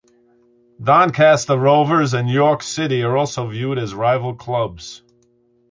Doncaster Rovers and York City are also viewed as rival clubs.